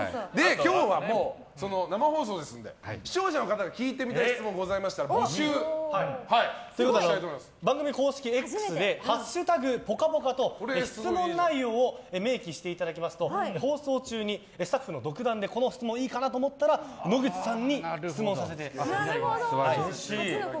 今日はもう生放送ですので視聴者の方が聞いてみたい質問を番組公式Ｘで「＃ぽかぽか」と質問内容を明記していただきますと放送中にスタッフの独断でこの質問いいかなと思ったら野口さんに質問させていただきます。